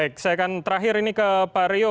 baik saya akan terakhir ini ke pak rio